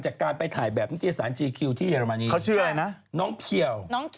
จากการไปถ่ายแบบย